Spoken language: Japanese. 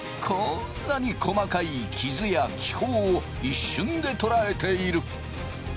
こんなに細かい傷や気泡を一瞬で捉えている。